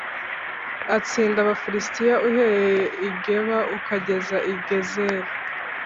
atsinda Abafilisitiya uhereye i Geba ukageza i Gezeri.